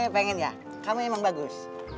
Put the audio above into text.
saya pengen ya kamu emang bagus